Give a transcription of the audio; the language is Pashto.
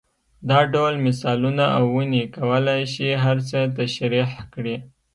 دا ډول مثالونه او ونې کولای شي هر څه تشرېح کړي.